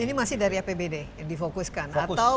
ini masih dari apbd yang difokuskan